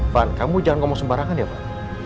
van kamu jangan ngomong sembarangan ya van